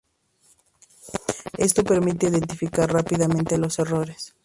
Esto permite identificar rápidamente los errores.